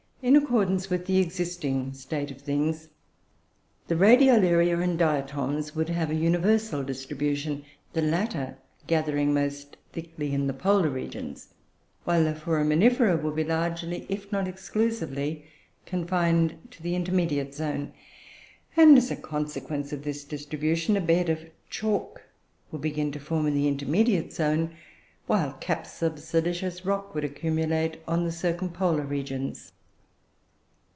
In accordance with the existing state of things, the Radiolaria and Diatoms would have a universal distribution, the latter gathering most thickly in the polar regions, while the Foraminifera would be largely, if not exclusively, confined to the intermediate zone; and, as a consequence of this distribution, a bed of "chalk" would begin to form in the intermediate zone, while caps of silicious rock would accumulate on the circumpolar regions.